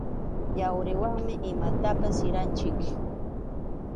Yawriwanmi imatapas siranchik.